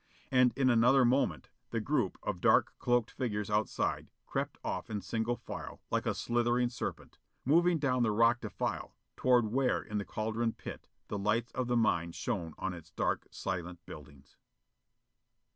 And in another moment the group of dark cloaked figures outside crept off in single file like a slithering serpent, moving down the rock defile toward where in the cauldron pit the lights of the mine shone on its dark silent buildings.